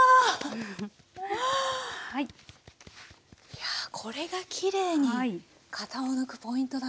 いやこれがきれいに型を抜くポイントだったんですね。